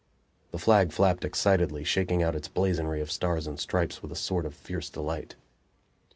The flag flapped excitedly, shaking out its blazonry of stars and stripes with a sort of fierce delight.